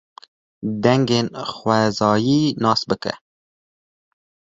Dengên xwezayî nas bike.